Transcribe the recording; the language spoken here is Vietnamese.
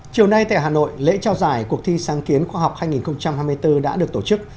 chiều nay tại hà nội lễ trao giải cuộc thi sáng kiến khoa học hai nghìn hai mươi bốn đã được tổ chức